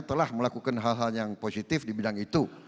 telah melakukan hal hal yang positif di bidang itu